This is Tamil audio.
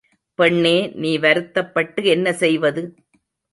பெண்ணே நீ வருத்தப்பட்டு என்ன செய்வது?